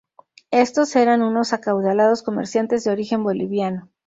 Estos eran unos acaudalados comerciantes de origen boliviano.